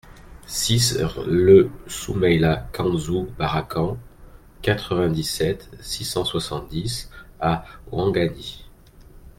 six rLE SOUMAILA KANDZOU BARAKAN, quatre-vingt-dix-sept, six cent soixante-dix à Ouangani